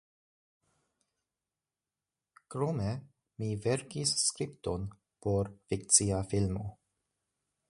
Krome mi verkis skripton por fikcia filmo.